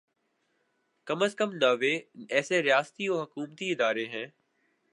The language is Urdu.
کم از کم نوے ایسے ریاستی و حکومتی ادارے ہیں